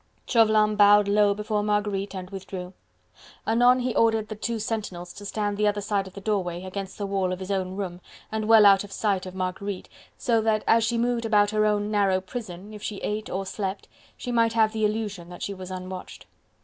Chauvelin bowed low before Marguerite and withdrew. Anon he ordered the two sentinels to stand the other side of the doorway, against the wall of his own room, and well out of sight of Marguerite, so that, as she moved about her own narrow prison, if she ate or slept, she might have the illusion that she was unwatched.